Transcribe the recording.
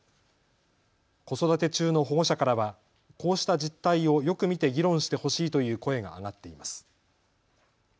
子育て中の保護者からはこうした実態をよく見て議論してほしいという声が上がっています。